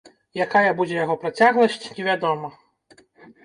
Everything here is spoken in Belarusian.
Якая будзе яго працягласць, невядома.